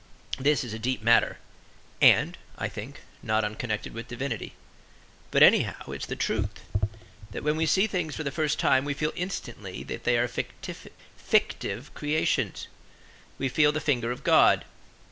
This is a deep matter, and, I think, not unconnected with divinity; but anyhow it is the truth that when we see things for the first time we feel instantly that they are fictive creations; we feel the finger of God.